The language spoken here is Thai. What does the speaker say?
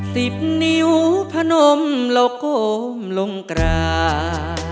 สิบนิ้วพะนมเราโกมลงกราก